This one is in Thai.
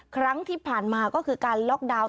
ครั้งที่ผ่านมาก็คือการล็อกดาวน์